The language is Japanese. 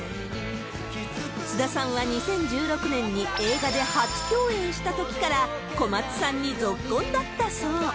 菅田さんは２０１６年に映画で初共演したときから、小松さんにぞっこんだったそう。